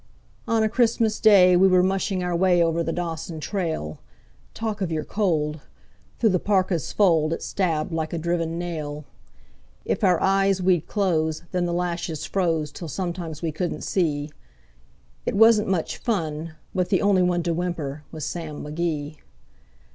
On a Christmas Day we were mushing our way over the Dawson trail. Talk of your cold! through the parka's fold it stabbed like a driven nail. If our eyes we'd close, then the lashes froze till sometimes we couldn't see; It wasn't much fun, but the only one to whimper was Sam McGee.